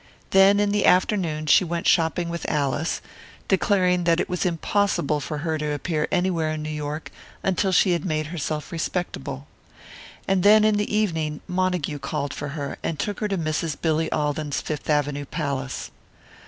Then in the afternoon she went shopping with Alice declaring that it was impossible for her to appear anywhere in New York until she had made herself "respectable." And then in the evening Montague called for her, and took her to Mrs. Billy Alden's Fifth Avenue palace.